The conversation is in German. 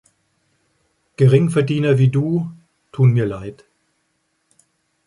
Geringverdiener wie du tun mir leid.